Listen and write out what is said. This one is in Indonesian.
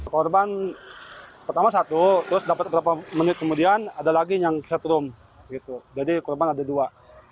korban pertama satu terus dapat berapa menit kemudian ada lagi yang setrum jadi korban ada dua